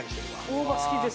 大葉好きです。